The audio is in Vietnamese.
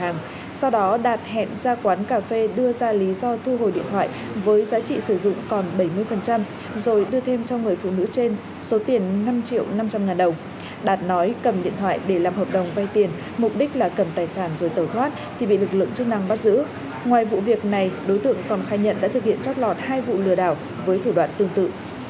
ngoài vụ việc này đối tượng còn khai nhận đã thực hiện trót lọt hai vụ lừa đảo với thủ đoạn tương tự